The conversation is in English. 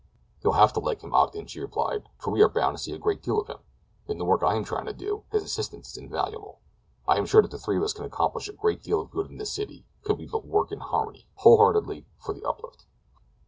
'' "You'll have to like him, Ogden," she replied, "for we are bound to see a great deal of him! In the work that I am trying to do his assistance is invaluable—I am sure that the three of us can accomplish a great deal of good in this city could we but work in harmony—whole heartedly for the uplift."